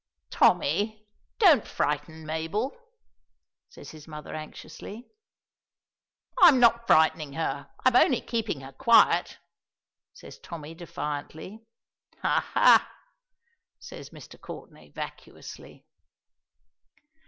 "Tommy, don't frighten Mabel," says his mother anxiously. "I'm not frightening her. I'm only keeping her quiet," says Tommy defiantly. "Hah hah!" says Mr. Courtenay vacuously.